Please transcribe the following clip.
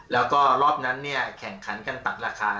แล้วก็รอบนั้นเนี่ยแข่งขันกันตัดราคา